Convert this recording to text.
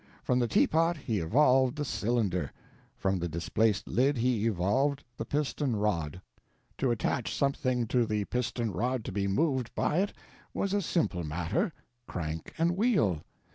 From the teapot he evolved the cylinder—from the displaced lid he evolved the piston rod. To attach something to the piston rod to be moved by it, was a simple matter—crank and wheel.